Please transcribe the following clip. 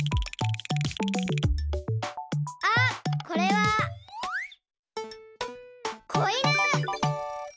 あっこれはこいぬ！